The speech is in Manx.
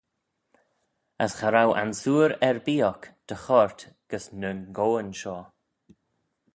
As cha row ansoor erbee oc dy choyrt gys ny goan shoh.